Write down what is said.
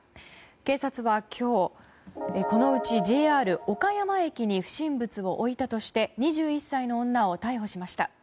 警察は今日このうちＪＲ岡山駅に不審物を置いたとして２１歳の女を逮捕しました。